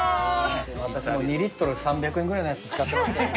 私もう２リットル３００円ぐらいのやつ使ってましたんで。